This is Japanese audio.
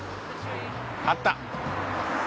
あった。